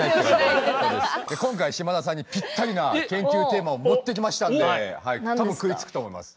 今回島田さんにぴったりな研究テーマを持ってきましたんではい多分食いつくと思います。